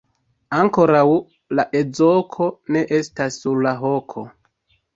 Ankoraŭ la ezoko ne estas sur la hoko.